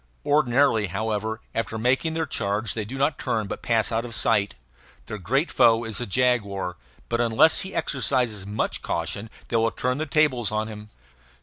Ordinarily, however, after making their charge they do not turn, but pass on out of sight. Their great foe is the jaguar, but unless he exercises much caution they will turn the tables on him.